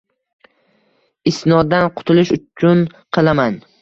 Isnoddan qutulish uchun qilaman